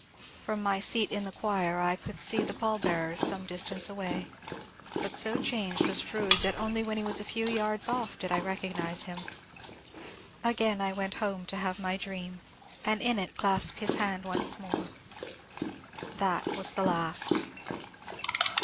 From my seat in the choir I could see the pall bearers some distance away, but so changed was Fronde that only when he was a few yards off did I recognize him. Again I went home to have my dream, and in it clasp his hand once more. That was the last.